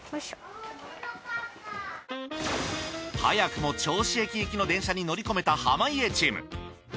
早くも銚子行きの電車に乗り込めた濱家チーム。